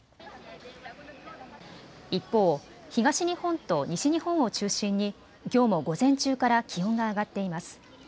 一方、東日本と西日本を中心にきょうも午前中から気温が上がっています。